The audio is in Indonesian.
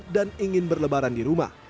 dan ingin berlebaran di rumah